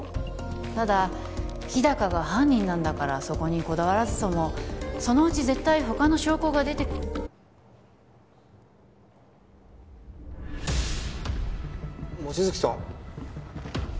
ただ日高が犯人なんだからそこにこだわらずともそのうち絶対他の証拠が出て望月さん？